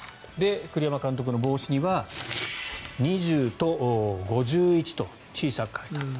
栗山監督の帽子には２０と５１と小さく書いてあった。